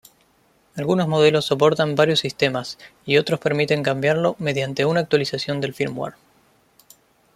Algunos modelos soportan varios sistemas y otros permiten cambiarlo mediante una actualización del firmware.